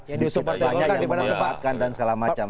yang diusup partai golkar yang diberikan tempatkan dan segala macam